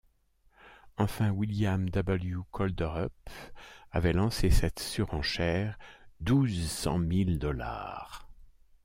Enfin William W. Kolderup avait lancé cette surenchère: « Douze cent mille dollars!